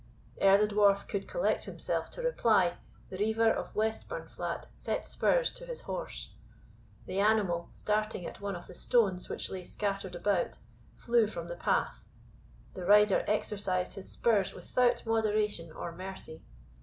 Ere the Dwarf could collect himself to reply, the Reiver of Westburnflat set spurs to his horse. The animal, starting at one of the stones which lay scattered about, flew from the path. The rider exercised his spurs without moderation or mercy.